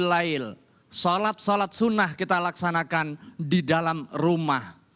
salat salat sunnah kita laksanakan di dalam rumah